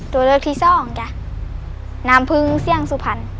ตัวเลือกที่สองจ้ะน้ำพึ่งเสี่ยงสุพรรณ